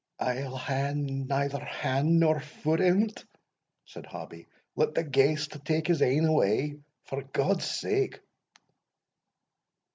"I'll hae neither hand nor foot in't," said Hobbie; "let the ghaist take his ain way, for God's sake!"